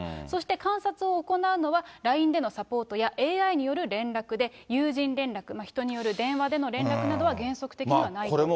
そして観察を行うのは、ＬＩＮＥでのサポートやＡＩによる連絡で、友人連絡、人による電話での連絡などは、原則的にはないと。